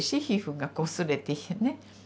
皮膚がこすれてね。